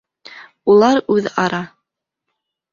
Улар үҙ-ара: